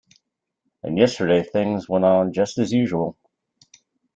And yesterday things went on just as usual.